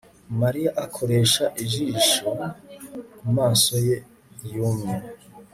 Mariya akoresha ijisho kumaso ye yumye